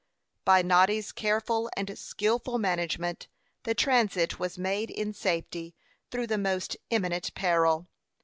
By Noddy's careful and skilful management, the transit was made in safety through the most imminent peril.